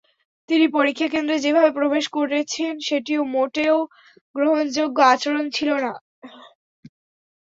তিনি পরীক্ষা কেন্দ্রে যেভাবে প্রবেশ করেছেন, সেটিও মোটেই গ্রহণযোগ্য আচরণ ছিল না।